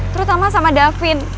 terutama sama davin